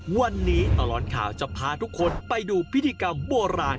วันนี้ตลอดข่าวจะพาทุกคนไปดูพิธีกรรมโบราณ